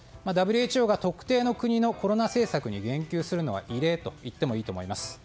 ＷＨＯが特定の国のコロナ政策に言及するのは異例と言ってもいいと思います。